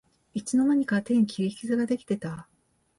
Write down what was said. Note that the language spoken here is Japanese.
いつの間にか手に切り傷ができてた